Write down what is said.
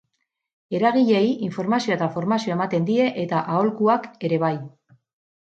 Eragileei informazioa eta formazioa ematen die eta aholkuak ere bai.